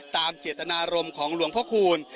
ตามเจตนารมณ์ของหลวงพ่อคูณ